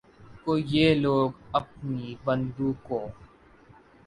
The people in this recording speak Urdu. کو یہ لوگ اپنی بندوقوں